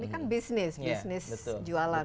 ini kan bisnis bisnis jualan